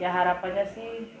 ya harapannya sih